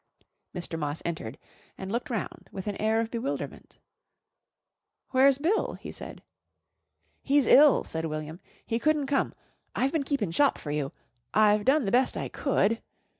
Mr. Moss entered and looked round with an air of bewilderment. "Where's Bill?" he said. "He's ill," said William. "He couldn't come. I've been keepin' shop for you. I've done the best I could."